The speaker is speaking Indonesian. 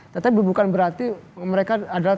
tetapi bukan berarti mereka adalah